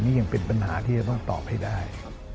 นี่ยังเป็นปัญหาที่เราต้องตอบให้ได้